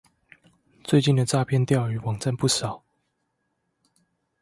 最近的詐騙釣魚網站不少